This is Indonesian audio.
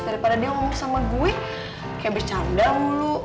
daripada dia ngomong sama gue kayak bercanda mulu oke